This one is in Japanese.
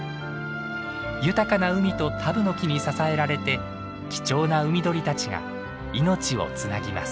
豊かな海とタブノキに支えられて貴重な海鳥たちが命をつなぎます。